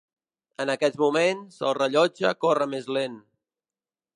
En aquests moments, el rellotge corre més lent.